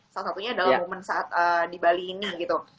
salah satunya adalah momen saat di bali ini gitu